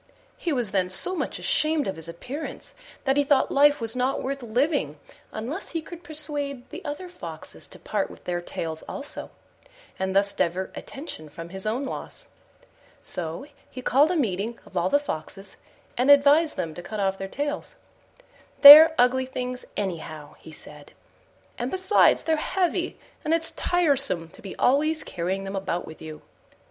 He was then so much ashamed of his appearance that he thought life was not worth living unless he could persuade the other Foxes to part with their tails also, and thus divert attention from his own loss. So he called a meeting of all the Foxes, and advised them to cut off their tails: "They're ugly things anyhow," he said, "and besides they're heavy, and it's tiresome to be always carrying them about with you."